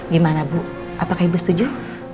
gimana bu apakah ibu setuju